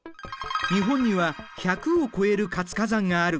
日本には１００を超える活火山がある。